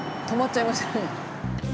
止まっちゃいましたね。